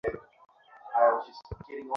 Captain, আমরা ব্লাস্টারটাকে ঠিক ধরে ফেলবো।